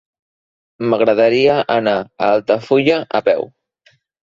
M'agradaria anar a Altafulla a peu.